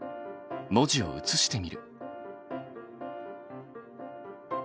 文字を映してみる。